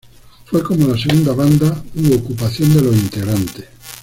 Fue como la "segunda banda" u ocupación de los integrantes.